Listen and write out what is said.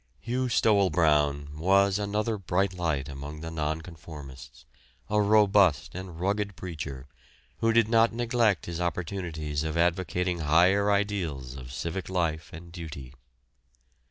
Hugh Stowell Brown was another bright light among the nonconformists, a robust and rugged preacher, who did not neglect his opportunities of advocating higher ideals of civic life and duty.